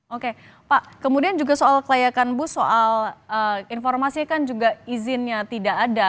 oke pak kemudian juga soal kelayakan bus soal informasi kan juga izinnya tidak ada